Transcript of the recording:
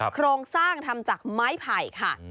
โครงสร้างทำจากไม้ไผ่ค่ะ